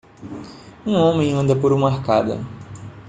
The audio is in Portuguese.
um homem anda por uma arcada.